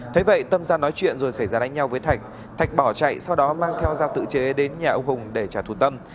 thế vậy tâm ra nói chuyện rồi xảy ra đánh nhau với thạch thạch bỏ chạy sau đó mang theo dao tự chế đến nhà ông hùng để trả thù tâm